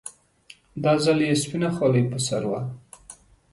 دا ځل يې سپينه خولۍ پر سر وه.